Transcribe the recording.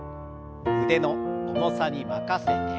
腕の重さに任せて。